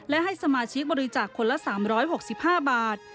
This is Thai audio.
และให้สมาชิกบริจาคคนละ๓๖๕บาท